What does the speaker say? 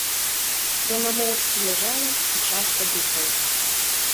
Яна моўчкі ляжала і часта дыхала.